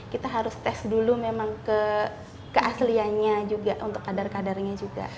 kita harus tes dulu memang keasliannya juga untuk kadar kadarnya juga